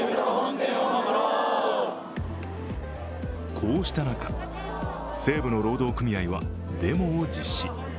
こうした中、西武の労働組合はデモを実施。